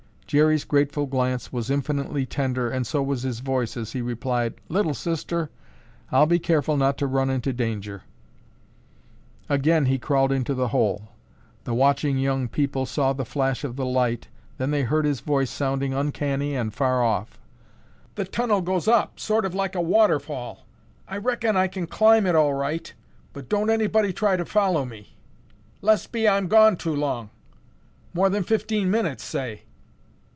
Jerry's grateful glance was infinitely tender and so was his voice as he replied, "Little Sister, I'll be careful not to run into danger." Again he crawled into the hole. The watching young people saw the flash of the light, then they heard his voice sounding uncanny and far off. "The tunnel goes up, sort of like a waterfall. I reckon I can climb it all right, but don't anybody try to follow me, lest be I'm gone too long; more than fifteen minutes, say."